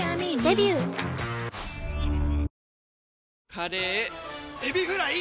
カレーエビフライ！